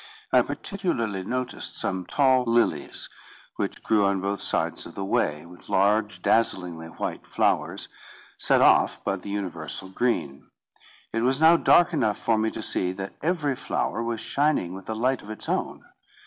I particularly noticed some tall lilies, which grew on both sides of the way, with large dazzlingly white flowers, set off by the universal green. It was now dark enough for me to see that every flower was shining with a light of its own.